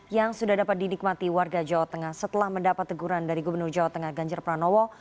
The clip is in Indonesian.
yang sudah dapat dinikmati warga jawa tengah setelah mendapat teguran dari gubernur jawa tengah ganjar pranowo